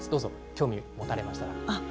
興味を持たれましたか？